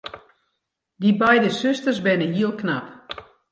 Dy beide susters binne hiel knap.